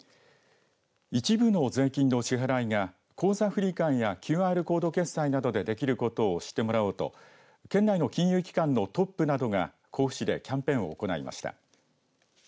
一部の税金の支払いが口座振替やＱＲコード決済などでできることを知ってもらおうと県内の金融機関のトップなどが甲府市でキャンペーンを行いました。